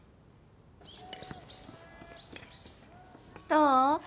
どう？